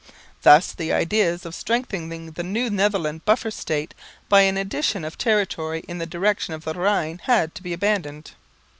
Thus the idea of strengthening the new Netherland buffer state by an addition of territory in the direction of the Rhine had to be abandoned.